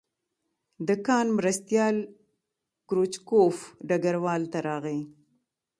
د کان مرستیال کروچکوف ډګروال ته راغی